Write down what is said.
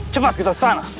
cepat kita ke sana